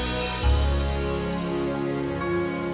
nanti aku nunggu